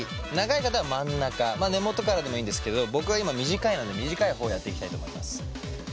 長い方は真ん中根元からでもいいんですけど僕は今短いので短い方をやっていきたいと思います。